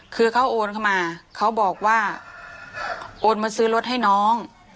คือเขาโอนเข้ามาเขาบอกว่าโอนมาซื้อรถให้น้อง